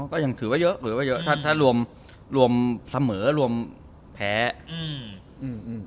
ก็ยังถือว่าเยอะเผลอว่าเยอะถ้าถ้ารวมรวมเสมอรวมแพ้อืมอืม